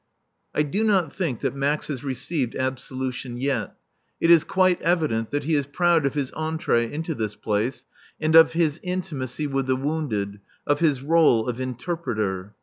I do not think that Max has received absolution yet. It is quite evident that he is proud of his entrée into this place and of his intimacy with the wounded, of his rôle of interpreter.